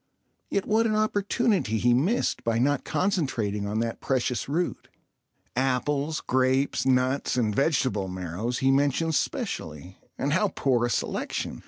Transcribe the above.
Yet what an opportunity he missed by not concentrating on that precious root. Apples, grapes, nuts, and vegetable marrows he mentions specially—and how poor a selection!